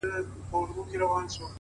كه زړه يې يوسې و خپل كور ته گراني ‘